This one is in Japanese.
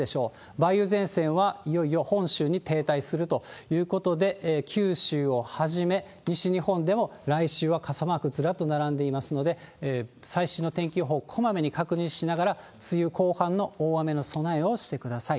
梅雨前線はいよいよ本州に停滞するということで、九州をはじめ、西日本でも来週は傘マーク、ずらっと並んでいますので、最新の天気予報をこまめに確認しながら、梅雨後半の大雨の備えをしてください。